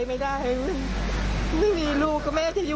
ไม่ค่ะไม่เลย